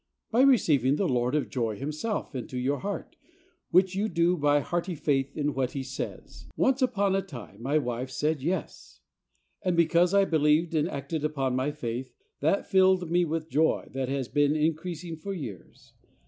By receiving the Lord of joy Himself into your heart, which you do by hearty faith in what He says. Once upon a time my wife said "Yes," and because I believed and acted upon my faith, that filled me with joy that has been increasing for years.